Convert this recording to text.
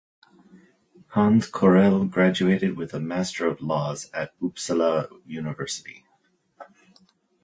Hans Corell graduated with a Master of Laws at Uppsala University.